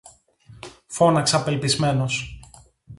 φώναξα απελπισμένος.